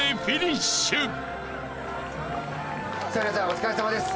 お疲れさまです。